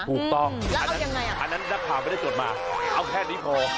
ถูกต้องอันนั้นนักข่าวไม่ได้จดมาเอาแค่นี้พอ